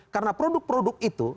karena produk produk itu